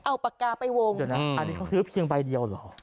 เอาปากกาไปวงเดี๋ยวนะอันนี้เขาซื้อเพียงใบเดียวเหรอ